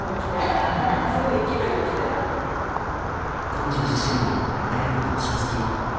彼女自身も大の読書好き。